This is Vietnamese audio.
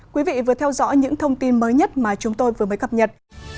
quý vị vừa theo dõi những thông tin mới nhất mà chúng tôi vừa mới cập nhật